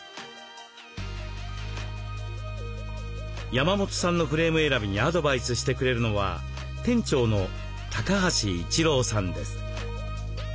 山本さんのフレーム選びにアドバイスしてくれるのは店長の橋一郎さんです。